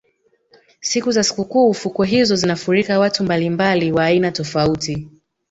siku za sikukuu fukwe hizo zinafurika watu mbalimbali wa aina tofauti